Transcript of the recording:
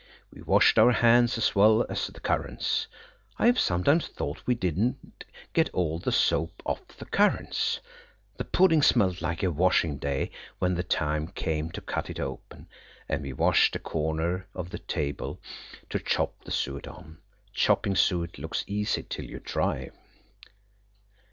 We washed our hands as well as the currants. I have sometimes thought we did not get all the soap off the currants. The pudding smelt like a washing day when the time came to cut it open. And we washed a corner of the table to chop the suet on. Chopping suet looks easy till you try.